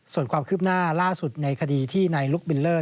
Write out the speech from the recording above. ส่วนความคืบหน้าล่าสุดในคดีที่นายลุกบิลเลอร์